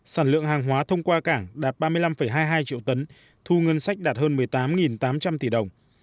sản lượng hàng hóa thông qua cảng đạt ba mươi năm hai mươi hai triệu tấn thu ngân sách đạt hơn một mươi tám tám trăm linh tỷ đồng